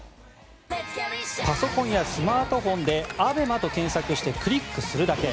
パソコンやスマートフォンで「ＡＢＥＭＡ」と検索してクリックするだけ。